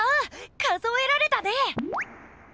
数えられたね！